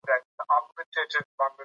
که مېوې پخې نه وي، مه یې خورئ.